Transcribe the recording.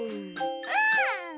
うん！